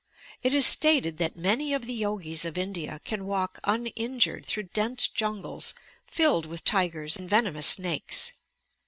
It is stated that many of the Yogis of India can walk uninjured through dense jungles filled with tigers and venomous snakes.